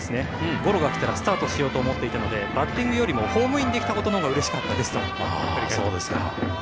ゴロが来たらスタートしようと思っていたのでバッティングよりもホームインできたのがうれしかったですと話していました。